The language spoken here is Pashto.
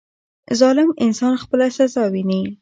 • ظالم انسان خپله سزا ویني.